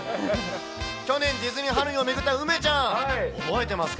去年ディズニーハロウィーンを巡った梅ちゃん、覚えてますか？